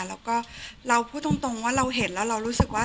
แล้วก็เราพูดตรงว่าเราเห็นแล้วเรารู้สึกว่า